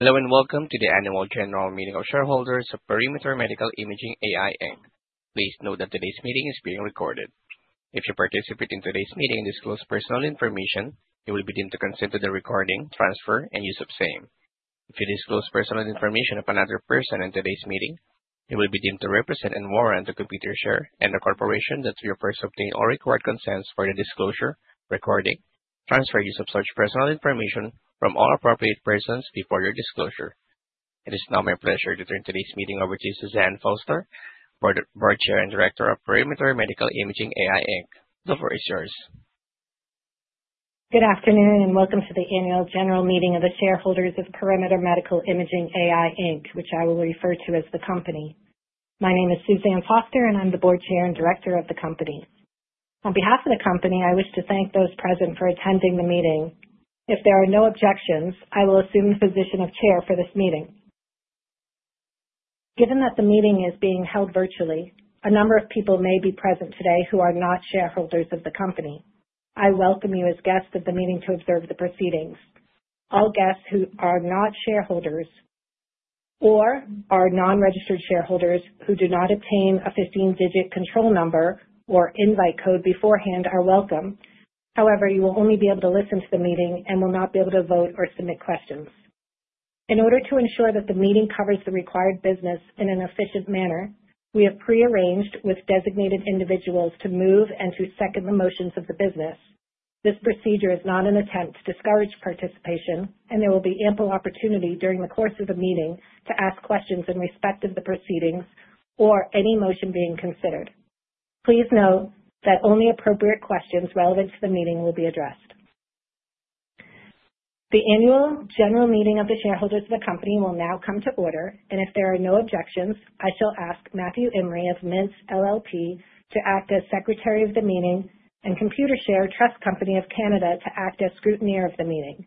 Hello and welcome to the Annual General Meeting of Shareholders of Perimeter Medical Imaging AI, Inc. Please note that today's meeting is being recorded. If you participate in today's meeting and disclose personal information, you will be deemed to consent to the recording, transfer, and use of same. If you disclose personal information of another person in today's meeting, you will be deemed to represent and warrant to Computershare and the corporation that you first obtain all required consents for the disclosure, recording, transfer, use of such personal information from all appropriate persons before your disclosure. It is now my pleasure to turn today's meeting over to Suzanne Foster, Board Chair and Director of Perimeter Medical Imaging AI, Inc. The floor is yours. Good afternoon and welcome to the Annual General Meeting of the shareholders of Perimeter Medical Imaging AI, Inc., which I will refer to as the company. My name is Suzanne Foster, and I'm the Board Chair, and Director of the company. On behalf of the company, I wish to thank those present for attending the meeting. If there are no objections, I will assume the position of Chair for this meeting. Given that the meeting is being held virtually, a number of people may be present today who are not shareholders of the company. I welcome you as guests of the meeting to observe the proceedings. All guests who are not shareholders or are non-registered shareholders who do not obtain a 15-digit control number or invite code beforehand are welcome. However, you will only be able to listen to the meeting and will not be able to vote or submit questions. In order to ensure that the meeting covers the required business in an efficient manner, we have pre-arranged with designated individuals to move and to second the motions of the business. This procedure is not an attempt to discourage participation and there will be ample opportunity during the course of the meeting to ask questions in respect of the proceedings or any motion being considered. Please note that only appropriate questions relevant to the meeting will be addressed. The annual general meeting of the shareholders of the company will now come to order. If there are no objections, I shall ask Matthew Emery of Mintz LLP to act as Secretary of the meeting and Computershare Trust Company of Canada to act as Scrutineer of the meeting.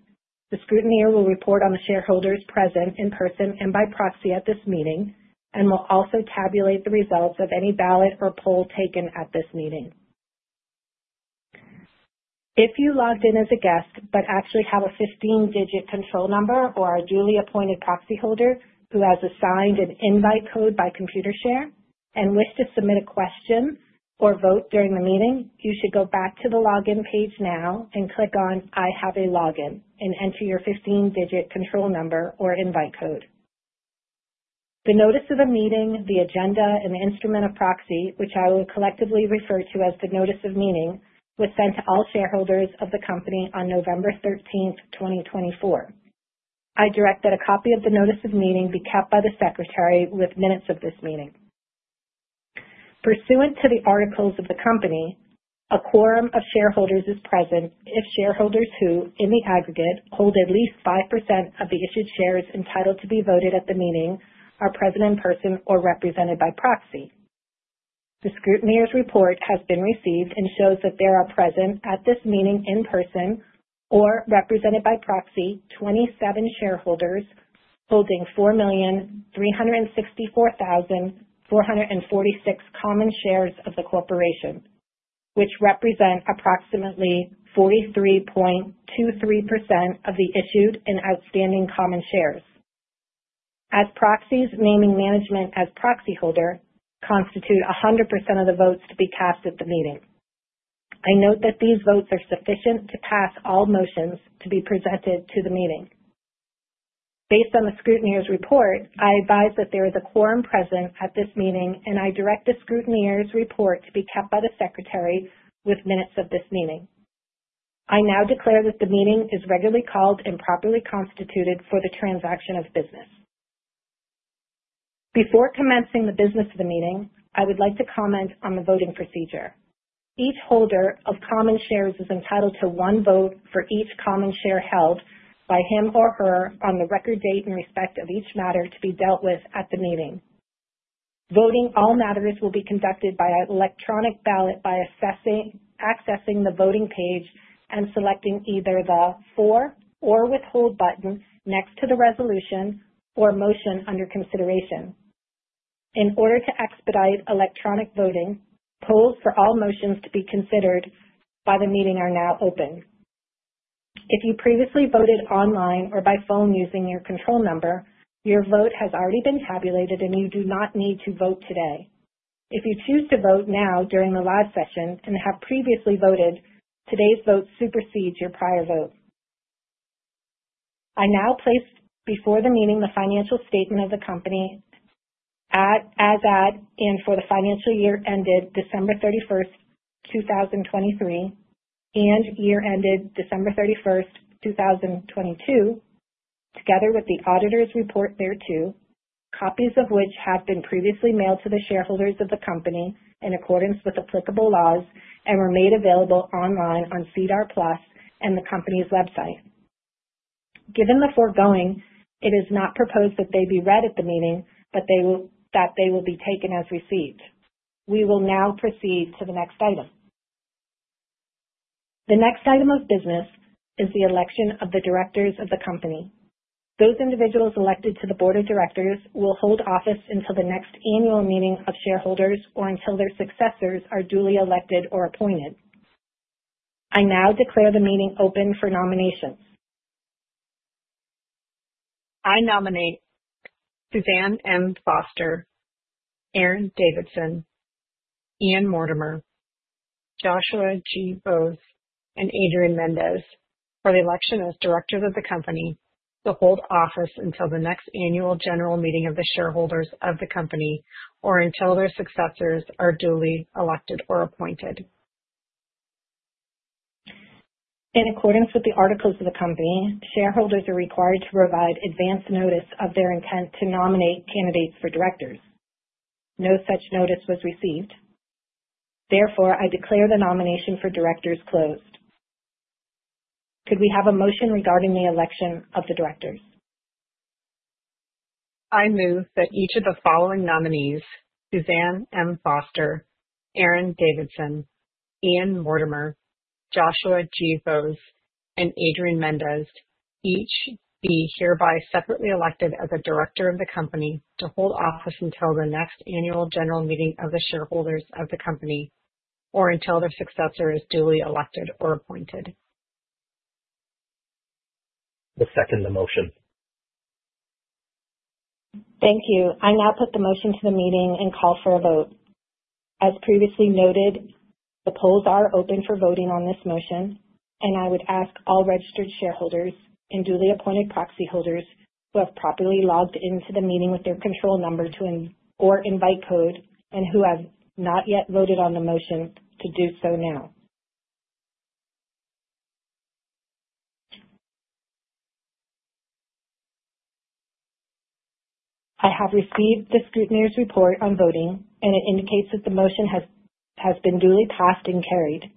The scrutineer will report on the shareholders present in person and by proxy at this meeting and will also tabulate the results of any ballot or poll taken at this meeting. If you logged in as a guest but actually have a 15-digit control number or are a duly appointed proxyholder who has assigned an invite code by Computershare and wish to submit a question or vote during the meeting, you should go back to the login page now and click on, I have a login, and enter your 15-digit control number or invite code. The notice of the meeting, the agenda, and the instrument of proxy, which I will collectively refer to as the notice of meeting, was sent to all shareholders of the company on November 13, 2024. I direct that a copy of the notice of meeting be kept by the secretary with minutes of this meeting. Pursuant to the articles of the company, a quorum of shareholders is present if shareholders who, in the aggregate, hold at least 5% of the issued shares entitled to be voted at the meeting are present in person or represented by proxy. The scrutineer's report has been received and shows that there are present at this meeting in person or represented by proxy 27 shareholders holding 4,364,446 common shares of the corporation, which represent approximately 43.23% of the issued and outstanding common shares. As proxies naming management as proxy holder constitute 100% of the votes to be cast at the meeting. I note that these votes are sufficient to pass all motions to be presented to the meeting. Based on the scrutineer's report, I advise that there is a quorum present at this meeting, and I direct the scrutineer's report to be kept by the secretary with minutes of this meeting. I now declare that the meeting is regularly called and properly constituted for the transaction of business. Before commencing the business of the meeting, I would like to comment on the voting procedure. Each holder of common shares is entitled to one vote for each common share held by him or her on the record date in respect of each matter to be dealt with at the meeting. Voting all matters will be conducted by an electronic ballot by accessing the voting page and selecting either the For or Withhold button next to the resolution or motion under consideration. In order to expedite electronic voting, polls for all motions to be considered by the meeting are now open. If you previously voted online or by phone using your control number, your vote has already been tabulated, and you do not need to vote today. If you choose to vote now during the live session and have previously voted, today's vote supersedes your prior vote. I now place before the meeting the financial statement of the company at, as at, and for the financial year ended December 31st, 2023, and year ended December 31st, 2022, together with the auditor's report thereto, copies of which have been previously mailed to the shareholders of the company in accordance with applicable laws and were made available online on SEDAR+ and the company's website. Given the foregoing, it is not proposed that they be read at the meeting, but that they will be taken as received. We will now proceed to the next item. The next item of business is the election of the directors of the company. Those individuals elected to the board of directors will hold office until the next annual meeting of shareholders or until their successors are duly elected or appointed. I now declare the meeting open for nominations. I nominate Suzanne M. Foster, Aaron Davidson, Ian Mortimer, Joshua G. Vose, and Adrian Mendes for the election as directors of the company to hold office until the next annual general meeting of the shareholders of the company or until their successors are duly elected or appointed. In accordance with the articles of the company, shareholders are required to provide advance notice of their intent to nominate candidates for directors. No such notice was received. Therefore, I declare the nomination for directors closed. Could we have a motion regarding the election of the directors? I move that each of the following nominees, Suzanne M. Foster, Aaron Davidson, Ian Mortimer, Joshua G. Vose, and Adrian Mendes, each be hereby separately elected as a director of the company to hold office until the next annual general meeting of the shareholders of the company or until their successor is duly elected or appointed. I second the motion. Thank you. I now put the motion to the meeting and call for a vote. As previously noted, the polls are open for voting on this motion, and I would ask all registered shareholders and duly appointed proxy holders who have properly logged into the meeting with their control number or invite code and who have not yet voted on the motion to do so now. I have received the scrutineer's report on voting, and it indicates that the motion has been duly passed and carried.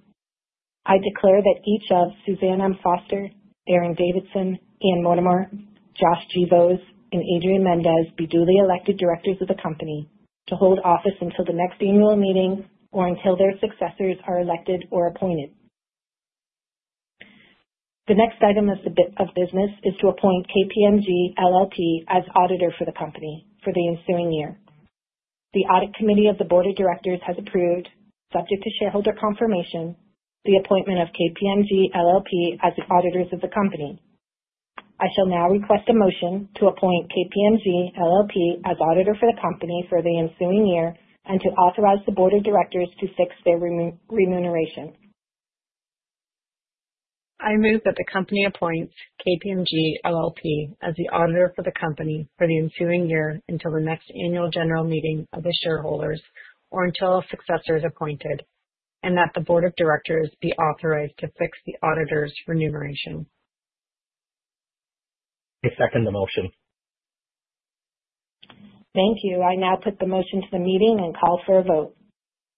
I declare that each of Suzanne M. Foster, Aaron Davidson, Ian Mortimer, Josh G. Vose, and Adrian Mendes be duly elected directors of the company to hold office until the next annual meeting or until their successors are elected or appointed. The next item of business is to appoint KPMG LLP as auditor for the company for the ensuing year. The audit committee of the board of directors has approved, subject to shareholder confirmation, the appointment of KPMG LLP as the auditors of the company. I shall now request a motion to appoint KPMG LLP as auditor for the company for the ensuing year and to authorize the board of directors to fix their remuneration. I move that the company appoints KPMG LLP as the auditor for the company for the ensuing year until the next annual general meeting of the shareholders or until a successor is appointed, and that the board of directors be authorized to fix the auditor's remuneration. I second the motion. Thank you. I now put the motion to the meeting and call for a vote.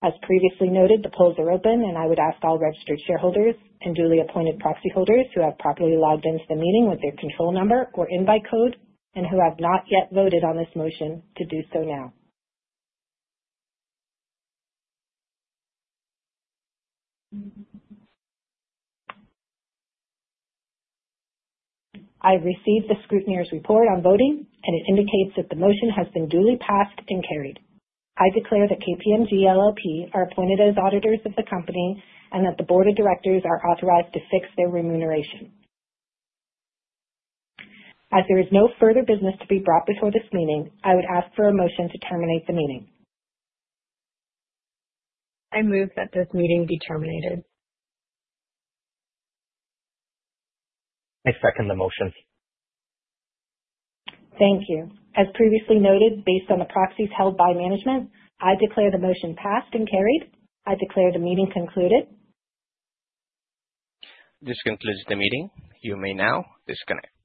As previously noted, the polls are open, and I would ask all registered shareholders and duly appointed proxy holders who have properly logged into the meeting with their control number or invite code and who have not yet voted on this motion to do so now. I received the scrutineer's report on voting, and it indicates that the motion has been duly passed and carried. I declare that KPMG LLP are appointed as auditors of the company and that the board of directors are authorized to fix their remuneration. As there is no further business to be brought before this meeting, I would ask for a motion to terminate the meeting. I move that this meeting be terminated. I second the motion. Thank you. As previously noted, based on the proxies held by management, I declare the motion passed and carried. I declare the meeting concluded. This concludes the meeting. You may now disconnect.